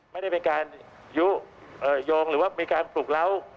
ไม่ได้เป็นการยุโยงหรือว่ามีการปลุกเล้า